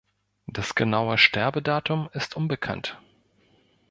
Das genaue Sterbedatum ist unbekannt.